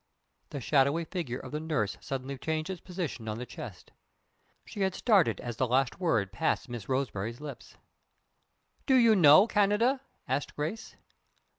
The shadowy figure of the nurse suddenly changed its position on the chest. She had started as the last word passed Miss Roseberry's lips. "Do you know Canada?" asked Grace.